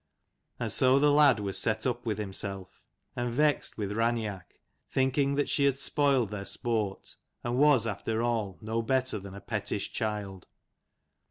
And so the lad was set up with himself, and vexed with Raineach, thinking that she had spoiled their sport, and was after all no better than a pettish child.